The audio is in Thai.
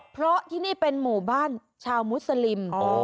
เพราะที่นี่เป็นหมู่บ้านชาวมุสลิม